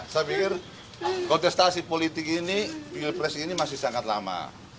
saya pikir kontestasi politik ini pilpres ini masih sangat lama